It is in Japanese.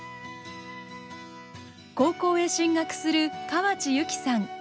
高校へ進学する河内優希さん。